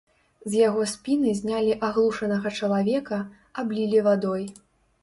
З яго спіны знялі аглушанага чалавека, аблілі вадой.